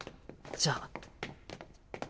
じゃあ。